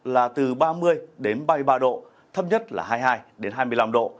là từ ba mươi đến ba mươi ba độ thấp nhất là hai mươi hai hai mươi năm độ